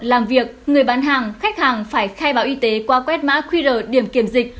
làm việc người bán hàng khách hàng phải khai báo y tế qua quét mã qr điểm kiểm dịch